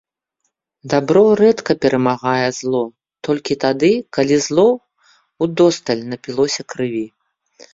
Дабро рэдка перамагае зло, толькі тады, калі зло ўдосталь напілося крыві.